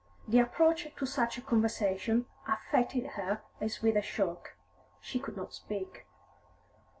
The approach to such a conversation affected her as with a shock; she could not speak.